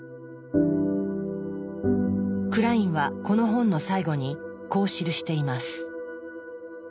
クラインはこの本の最後にこう記しています。